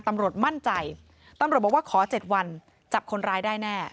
ตำรวจมั่นใจตำรวจบอกว่าขอ๗วันจับคนร้ายได้แน่